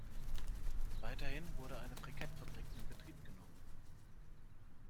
Weiterhin wurde eine Brikettfabrik in Betrieb genommen.